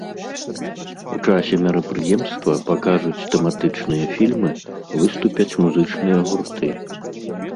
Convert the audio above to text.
У часе мерапрыемства пакажуць тэматычныя фільмы, выступяць музычныя гурты.